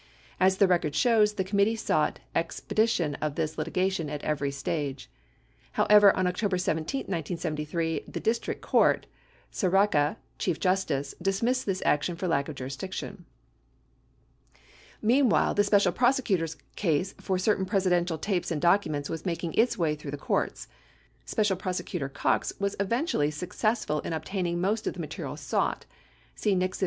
(As the record shows, the committee sought expedi tion of this litigation at every stage.) However, on October 17, 1973. the district court (Sirica, Ch. J.j dismissed this action for lack of jurisdiction. 6 Meanwhile, the Special Prosecutor's case for certain Presidential tapes and documents was making its way through the courts. Special Prosecutor Cox was eventually successful in obtaining most of the material sought. (See Nixon v.